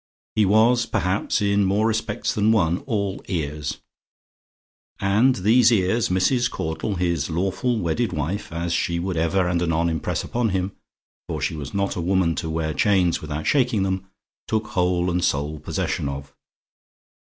He was, perhaps, in more respects than one, all ears. And these ears, Mrs. Caudle his lawful, wedded wife as she would ever and anon impress upon him, for she was not a woman to wear chains without shaking them took whole and sole possession of.